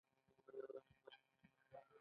موږ له بهرني اشغال سره مخ یو.